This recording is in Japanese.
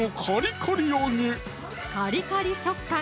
カリカリ食感